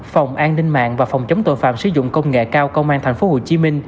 phòng an ninh mạng và phòng chống tội phạm sử dụng công nghệ cao công an tp hcm